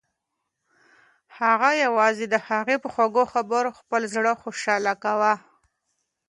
هغه یوازې د هغې په خوږو خبرو خپل زړه خوشحاله کاوه.